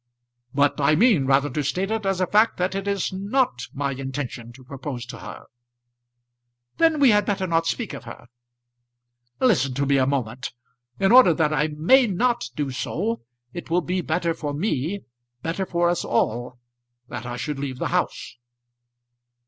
"But I mean rather to state it as a fact that it is not my intention to propose to her." "Then we had better not speak of her." "Listen to me a moment. In order that I may not do so, it will be better for me better for us all, that I should leave the house."